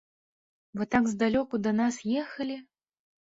Вы так здалёку да нас ехалі?